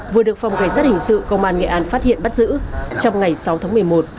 vừa được phòng cảnh sát hình sự công an nghệ an phát hiện bắt giữ trong ngày sáu tháng một mươi một